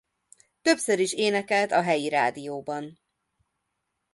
Többször is énekelt a helyi rádióban.